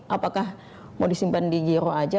apakah mau disimpan di giro aja